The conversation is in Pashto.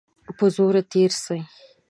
په زور تېر سي.